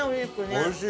おいしい！